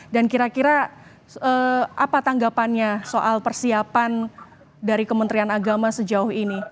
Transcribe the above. dan kira kira apa tanggapannya soal persiapan dari kementerian agama sejauh ini